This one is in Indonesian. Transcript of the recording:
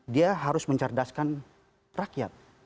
dia harus mencerdaskan rakyat